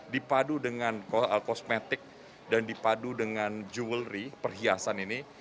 dipadu dengan kosmetik dan dipadu dengan juwelry perhiasan ini